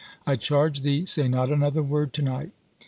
I charge thee, say not another word tonight."